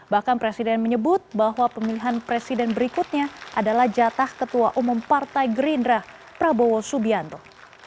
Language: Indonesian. bahkan presiden menyebut bahwa pemilihan presiden berikutnya adalah jatah ketua umum partai gerindra prabowo subianto